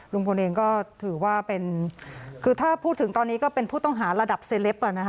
ลุงพลเองก็ถือว่าเป็นคือถ้าพูดถึงตอนนี้ก็เป็นผู้ต้องหาระดับเซลป